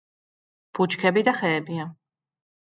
ბუჩქები და ხეებია.